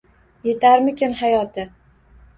Yetarmikan hayoti?